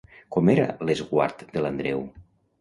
Com era l'esguard de l'Andreu?